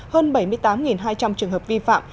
hơn bảy mươi tám hai trăm linh trường hợp vi phạm